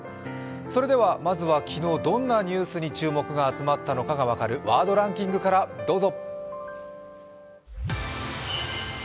まずは昨日どんなニュースに注目が集まったのかが分かる「ワードデイリーランキング」からどうぞ。